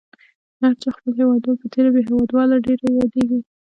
د هر چا خپل هیوادوال په تېره بیا هیوادواله ډېره یادیږي.